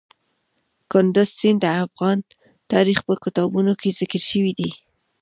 کندز سیند د افغان تاریخ په کتابونو کې ذکر شوی دی.